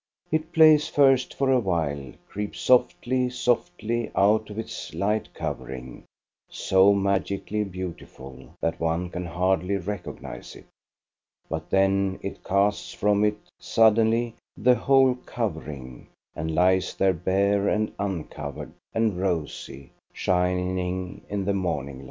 It plays first for a while, creeps softly, softly, out of its light covering, so magically beautiful that one can hardly recognize it ; but then it casts from it, suddenly, the whole covering, and lies there bare and uncovered and rosy, shining in the morning light.